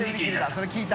それ聞いた。